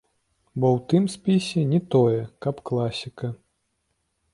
Бо ў тым спісе не тое, каб класіка.